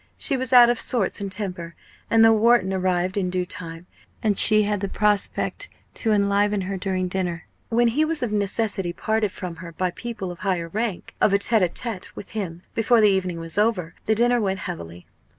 She was out of sorts and temper, and though Wharton arrived in due time, and she had the prospect to enliven her during dinner when he was of necessity parted from her by people of higher rank of a tête à tête with him before the evening was over, the dinner went heavily.